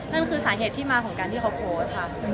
นั่นคือสาเหตุที่มาของการที่เขาโพสต์ค่ะ